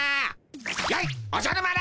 やいっおじゃる丸！